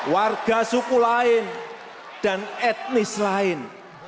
warga suku lain dan etnis lain